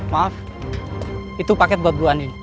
maaf itu paket buat bu ani